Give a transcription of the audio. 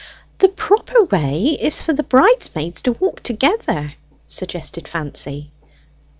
"The proper way is for the bridesmaids to walk together," suggested Fancy.